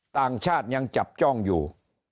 ต่างชาติยังจับจ้องอยู่